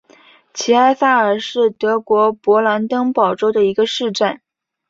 齐埃萨尔是德国勃兰登堡州的一个市镇。